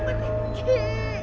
saya akan meninggi